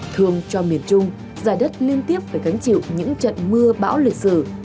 thường cho miền trung giải đất liên tiếp phải gánh chịu những trận mưa bão lịch sử